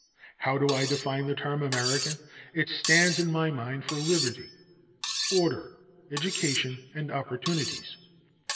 How do I define the term American? It stands in my mind for liberty, order, education and opportunities.